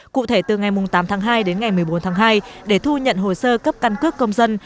cụ thể từ ngày tám tháng hai đến ngày một mươi bốn tháng hai để thu nhận hồ sơ cấp căn cước công dân